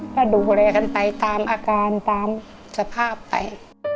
ก็ดูแลกันไปตามอาการตามสภาพไป